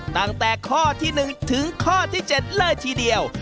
ตั้งแต่ข้อที่๑ถึงข้อที่๗เลยทีเดียว